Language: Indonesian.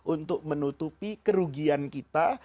untuk menutupi kerugian kita